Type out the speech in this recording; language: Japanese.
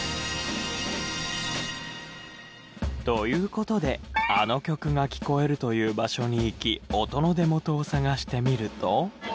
という事であの曲が聞こえるという場所に行き音の出元を探してみると。